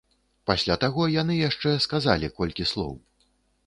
Пасля таго яны яшчэ сказалі колькі слоў.